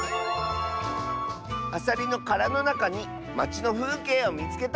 「アサリのからのなかにまちのふうけいをみつけた！」。